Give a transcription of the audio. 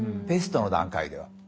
「ペスト」の段階では。